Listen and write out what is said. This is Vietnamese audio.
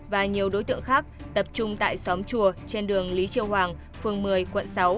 và nhiều đối tượng khác tập trung tại xóm chùa trên đường lý chiêu hoàng phường một mươi quận sáu